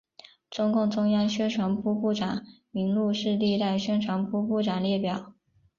中共中央宣传部部长名录是历任宣传部部长列表。